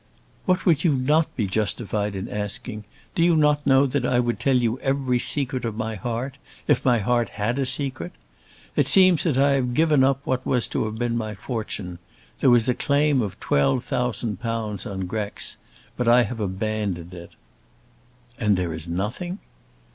"What would you not be justified in asking? Do you not know that I would tell you every secret of my heart, if my heart had a secret? It seems that I have given up what was to have been my fortune. There was a claim of £12,000 on Grex. But I have abandoned it." "And there is nothing?"